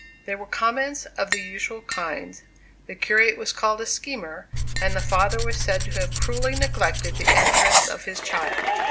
They were comments of the usual kind; the curate was called a schemer, and the father was said to have cruelly neglected the interests of his child.